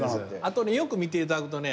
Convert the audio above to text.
あとねよく見て頂くとね